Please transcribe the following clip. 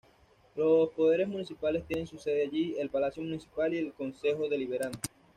Los poderes municipales tienen su sede allí: el palacio municipal y el concejo deliberante.